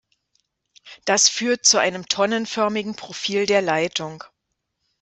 Das führt zu einem tonnenförmigen Profil der Leitung.